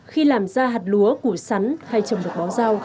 khi làm ra hạt lúa củ sắn hay trồng được bó rau